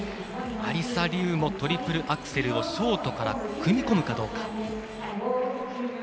アリサ・リウもトリプルアクセルをショートから組み込むかどうか。